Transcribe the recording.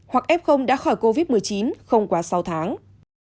hoặc f đã khỏi covid một mươi chín không quá sáu tháng